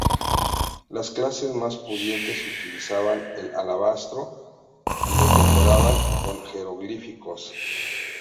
Las clases más pudientes utilizaban el alabastro y los decoraban con jeroglíficos.